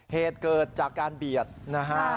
เหตุเกิดจากการเบียดนะฮะ